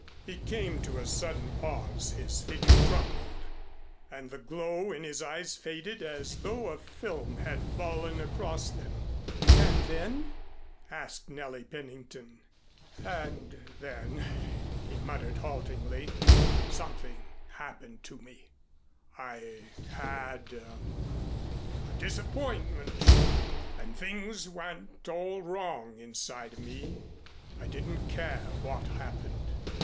He came to a sudden pause, his figure crumpled, and the glow in his eyes faded as though a film had fallen across them. "And then?" asked Nellie Pennington. "And then," he muttered haltingly, "something happened to me I had a a disappointment and things went all wrong inside of me I didn't care what happened.